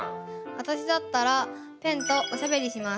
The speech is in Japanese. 私だったら「ペンとおしゃべり」します。